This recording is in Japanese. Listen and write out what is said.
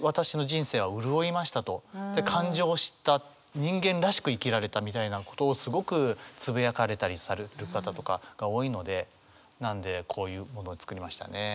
人間らしく生きられたみたいなことをすごくつぶやかれたりされる方とかが多いのでなんでこういうものを作りましたね。